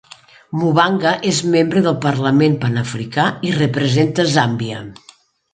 Mubanga és membre del Parlament Panafricà i representa Zàmbia.